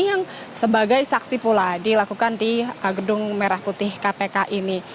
yang sebagai saksi pula dilakukan di gedung merah putih kpk ini